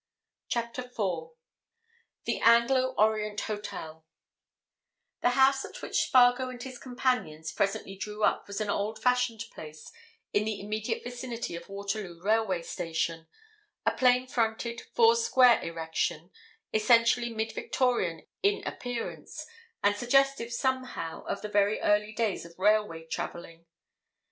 CHAPTER FOUR THE ANGLO ORIENT HOTEL The house at which Spargo and his companions presently drew up was an old fashioned place in the immediate vicinity of Waterloo Railway Station—a plain fronted, four square erection, essentially mid Victorian in appearance, and suggestive, somehow, of the very early days of railway travelling.